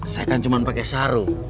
saya kan cuma pakai sarung